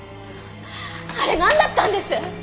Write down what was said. あれなんだったんです？